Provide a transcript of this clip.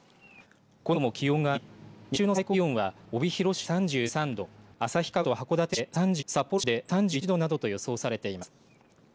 このあとも気温が上がり日中の最高気温は帯広市で３３度旭川市と函館市で３２度札幌市で３１度などと予想されています。